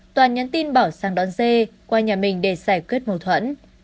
toàn nhắn tin bảo sang đón dê qua nhà mình để giải quyết mâu thuẫn